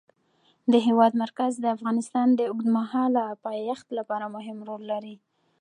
د هېواد مرکز د افغانستان د اوږدمهاله پایښت لپاره مهم رول لري.